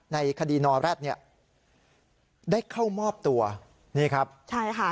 ในคดีนอแร็ดเนี่ยได้เข้ามอบตัวนี่ครับใช่ค่ะ